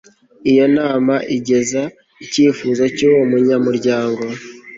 iyo nama igeza icyifuzo cy'uwo munyamuryango